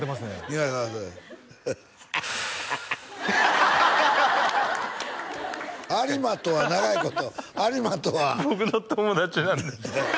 苦い顔有馬とは長いこと有馬とは僕の友達なんです